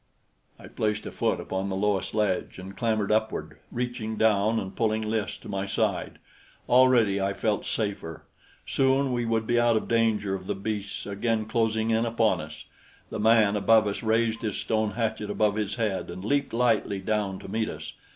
I placed a foot upon the lowest ledge and clambered upward, reaching down and pulling Lys to my side. Already I felt safer. Soon we would be out of danger of the beasts again closing in upon us. The man above us raised his stone hatchet above his head and leaped lightly down to meet us.